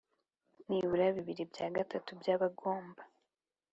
nibura bibiri bya gatatu by abagomba